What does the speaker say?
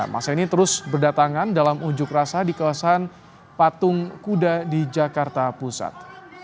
masa ini terus berdatangan dalam unjuk rasa di kawasan patung kuda di jakarta pusat